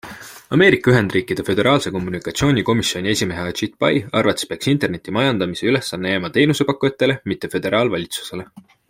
Ameerika Ühendriikide föderaalse kommunikatsiooni komisjoni esimehe Ajit Pai arvates peaks interneti majandamise ülesanne jääma teenusepakkujatele, mitte föderaalvalitsusele.